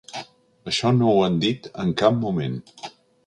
Això no ho han dit en cap moment.